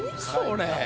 それ。